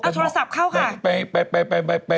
เอาโทรศัพท์เข้าค่ะ